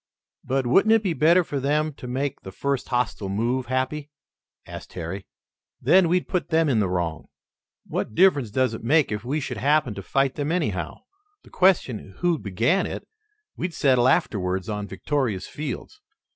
"But wouldn't it be better for them to make the first hostile movement, Happy?" asked Harry. "Then we'd put them in the wrong." "What difference does it make if we should happen to fight them, anyhow? The question who began it we'd settle afterwards on victorious fields.